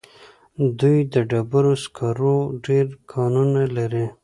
دوی د ډبرو سکرو ډېر کانونه لري.